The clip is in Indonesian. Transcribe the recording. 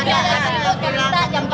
iya dari jam empat subuh